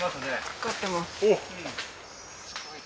光ってます。